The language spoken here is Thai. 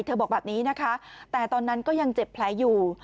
บอกแบบนี้นะคะแต่ตอนนั้นก็ยังเจ็บแผลอยู่